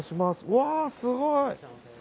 うわすごい！